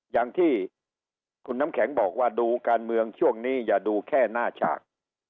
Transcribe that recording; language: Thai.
อย่างที่คุณน้ำแข็งบอกว่าดูการเมืองช่วงนี้อย่าดูแค่หน้าฉาก